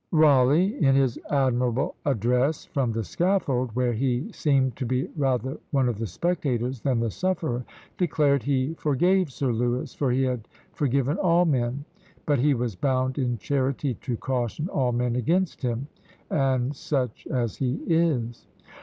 Rawleigh, in his admirable address from the scaffold, where he seemed to be rather one of the spectators than the sufferer, declared he forgave Sir Lewis, for he had forgiven all men; but he was bound in charity to caution all men against him, and such as he is!